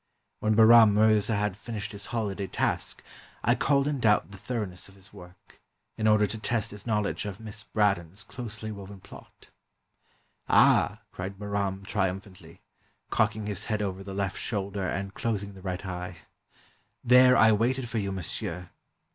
When Bahram Mirza had finished his holiday task, I called in doubt the thoroughness of his work, in order to test his knowledge of Miss Braddon's closely woven plot. "Ah," cried Bahram triumphantly, cocking his head over the left shoulder and closing the right eye, " there I waited for you, monsieur!